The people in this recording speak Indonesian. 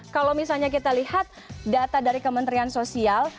kalau misalnya kita lihat data dari kementerian sosial